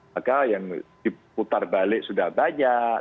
maka yang diputar balik sudah banyak